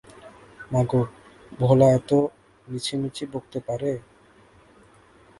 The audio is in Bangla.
মাগো, ভোলা এত মিছিমিছি বকতে পারে!